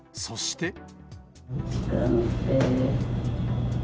そして。